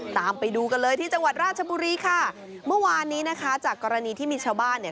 ตามไปดูกันเลยที่จังหวัดราชบุรีค่ะเมื่อวานนี้นะคะจากกรณีที่มีชาวบ้านเนี่ย